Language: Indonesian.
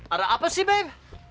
ada apa sih beb